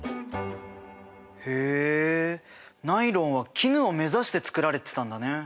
へえナイロンは絹を目指して作られてたんだね。